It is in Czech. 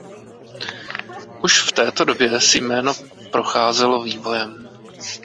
Už v této době si jméno procházelo vývojem.